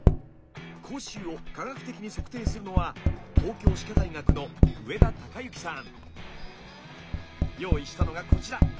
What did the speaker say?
口臭を科学的に測定するのは用意したのがこちら。